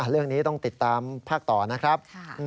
เรื่องนี้ต้องติดตามภาคต่อนะครับ